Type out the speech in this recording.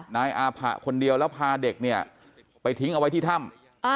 นายอาผะคนเดียวแล้วพาเด็กเนี่ยไปทิ้งเอาไว้ที่ถ้ำ